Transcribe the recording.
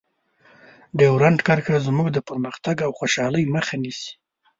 ډیورنډ کرښه زموږ د پرمختګ او خوشحالۍ مخه نیسي.